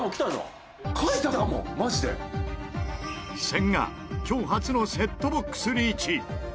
千賀今日初のセットボックスリーチ。